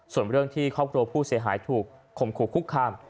ส่วนเรื่องที่ครอบครัวผู้เสียหายถูกคมขู่คุกคาม